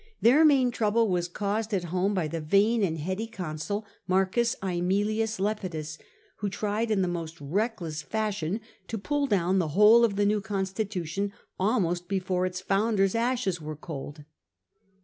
Their main trouble was caused at home, by the vain and heady consul, M. uEmilius Lepidus, who tried in the most reckless fashion to pull down the whole of the new constitution almost before its founder's ashes were cold.